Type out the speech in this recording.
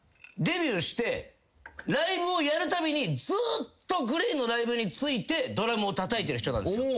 ライブをやるたびにずっとＧＬＡＹのライブについてドラムをたたいてる人なんですよ。